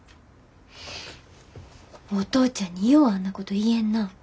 お父ちゃんにようあんなこと言えんなぁ。